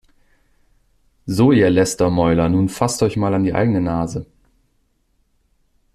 So, ihr Lästermäuler, nun fasst euch mal an die eigene Nase!